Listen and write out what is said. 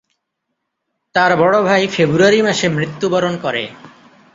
তার বড় ভাই ফেব্রুয়ারি মাসে মৃত্যুবরণ করে।